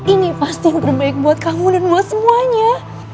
ini pasti yang terbaik buat kamu dan buat semuanya